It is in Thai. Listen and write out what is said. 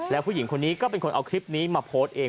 แล้วผู้หญิงคนนี้ก็เป็นคนเอาคลิปนี้มาโพสต์เอง